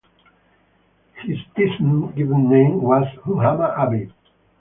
His ism (given name) was Muhammad Abid.